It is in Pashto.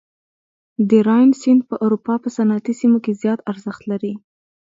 د راین سیند په اروپا په صنعتي سیمو کې زیات ارزښت لري.